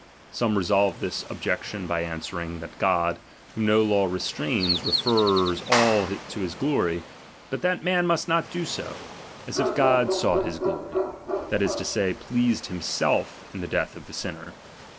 Some resolve this cbjection by answering, that God, whom no law restrains, refers all to his glory, but tliat man must Hot do 80 ; as if God sought his glory, that is to 1 himself in the death of a shmer.